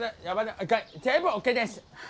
全部ＯＫです！